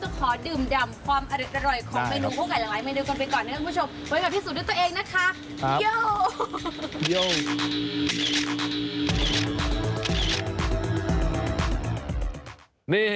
เมนูคั่วไก่หลายเมนูก่อนไปก่อนนะครับคุณผู้ชม